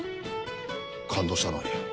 感動したのに。